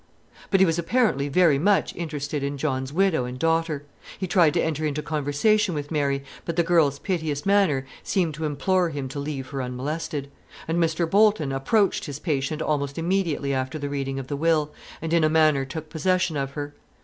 But he was apparently very much interested in John's widow and daughter. He tried to enter into conversation with Mary, but the girl's piteous manner seemed to implore him to leave her unmolested; and Mr. Bolton approached his patient almost immediately after the reading of the will, and in a manner took possession of her.